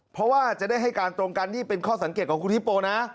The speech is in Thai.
เพราะว่าจะได้ให้การตรงกันนี่เป็นข้อสังเกตของคุณฮิปโปนะ